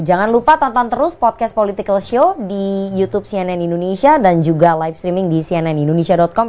jangan lupa tonton terus podcast political show di youtube cnn indonesia dan juga live streaming di cnnindonesia com